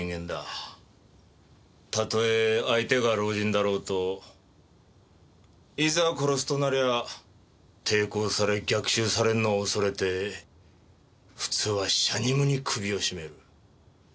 たとえ相手が老人だろうといざ殺すとなりゃ抵抗され逆襲されるのを恐れて普通は遮二無二首を絞める。